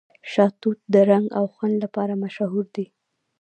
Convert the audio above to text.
شاه توت د رنګ او خوند لپاره مشهور دی.